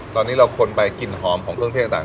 ตอนนี้เราคนไปกลิ่นหอมของเครื่องเทศต่าง